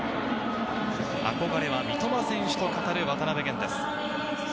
憧れは三笘選手と語る渡辺弦です。